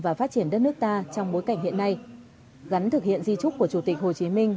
và phát triển đất nước ta trong bối cảnh hiện nay gắn thực hiện di trúc của chủ tịch hồ chí minh